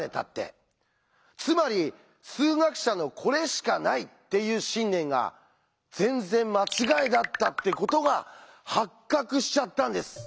つまり数学者の「これしかない」っていう信念が全然間違いだったってことが発覚しちゃったんです。